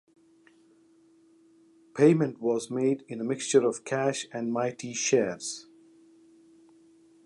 Payment was made in a mixture of cash and Mitie shares.